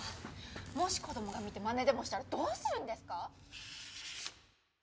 もし子供が見てまねでもしたらどうするんですか？